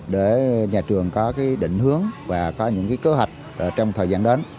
để nhà trường có cái định hướng và có những cái cơ hạch trong thời gian đến